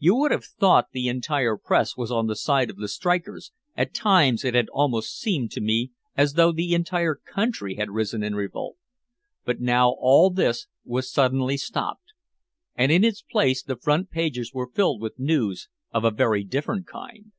You would have thought the entire press was on the side of the strikers, at times it had almost seemed to me as though the entire country had risen in revolt. But now all this was suddenly stopped, and in its place the front pages were filled with news of a very different kind.